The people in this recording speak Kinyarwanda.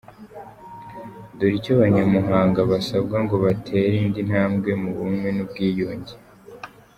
Dore icyo Abanyamuhanga basabwa ngo batera indi ntambwe mu bumwe n’ubwiyunge